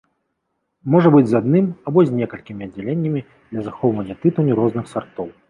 Можа быць з адным або з некалькімі аддзяленнямі для захоўвання тытуню розных сартоў.